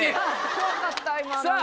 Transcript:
怖かった今何か。